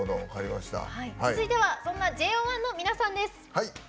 続いては、そんなＪＯ１の皆さんです。